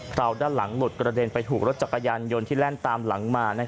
ด้านหลังหลุดกระเด็นไปถูกรถจักรยานยนต์ที่แล่นตามหลังมา